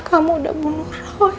kamu udah bunuh roy